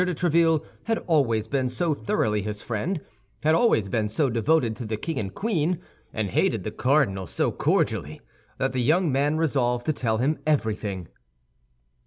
de Tréville had always been so thoroughly his friend, had always been so devoted to the king and queen, and hated the cardinal so cordially, that the young man resolved to tell him everything.